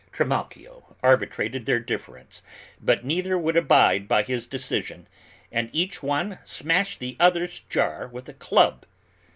Trimalchio arbitrated their difference, but neither would abide by his decision, and each one smashed the other's jar with a club.